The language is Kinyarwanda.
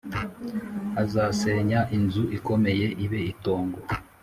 azasenya inzu ikomeye ibe itongo